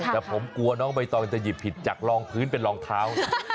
แต่ผมกลัวน้องใบตองจะหยิบผิดจากรองพื้นเป็นรองเท้า